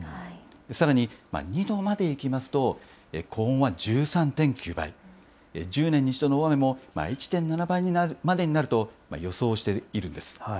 さらに２度までいきますと、高温は１３．９倍、１０年に１度の大雨も１．７倍にまでなると予想しているんです。